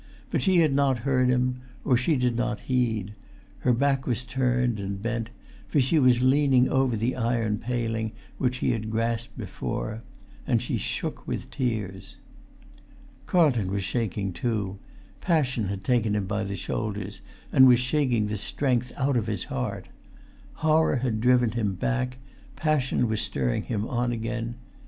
But she had not heard him, or she did not heed: her back was turned, and bent, for she was leaning over the iron paling which he had grasped before. And she shook with tears. Carlton was shaking, too; passion had taken him by the shoulders, and was shaking the strength out of his heart. Horror had driven him back, passion was spurring him on again.